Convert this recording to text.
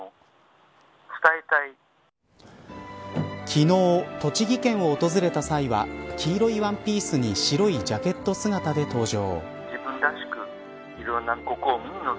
昨日、栃木県を訪れた際は黄色いワンピースに白いジャケット姿で登場。